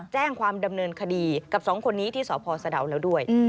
แจ้งความดำเนินคดีกับ๒คนนี้ที่สทธิสดัลแล้ว